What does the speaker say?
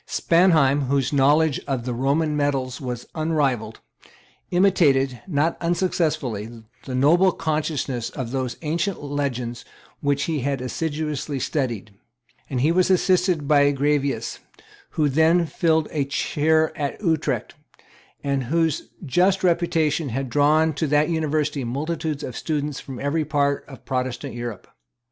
Spanheim, whose knowledge of the Roman medals was unrivalled, imitated, not unsuccessfully, the noble conciseness of those ancient legends which he had assiduously studied; and he was assisted by Graevius, who then filled a chair at Utrecht, and whose just reputation had drawn to that University multitudes of students from every part of Protestant Europe.